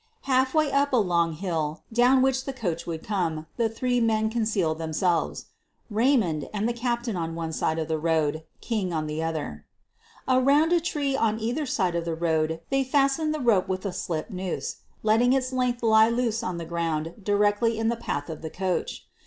Half way up a long hill, down which the coach would come, the three men concealed themselves —• 228 SOPHIE LYONS i Raymend and the captain on one side of tke road, King on the other. Around a tree on either side of the road they fastened the rope with a slip noose, letting its length lie loose on the ground directly in the path of the coach.